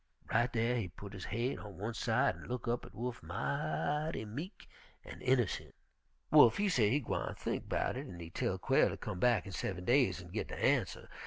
Right dar he putt his haid on one side an' look up at Wolf mighty meek an' innercent. "Wolf he say he gwine think 'bout hit, an' he tell Quail ter come back in seven days an' git de arnser.